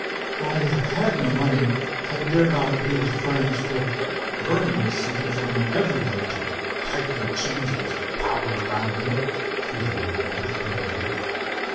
"I had no money, I dared not appeal to friends, for Vernon was seeking for me everywhere to tighten the chains of his power around me," related the youth, bitterly.